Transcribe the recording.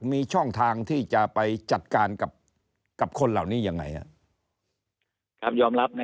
มีช่องทางที่จะไปจัดการกับคนเหล่านี้ยังไง